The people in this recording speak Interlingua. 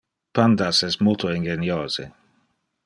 Pandas es multo ingeniose.